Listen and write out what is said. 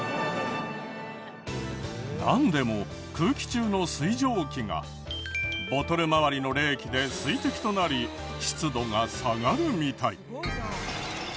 なんでも空気中の水蒸気がボトル周りの冷気で水滴となり湿度が下がるみたい。